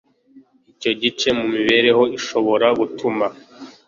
icyo gice mu mibereho ishobora gutuma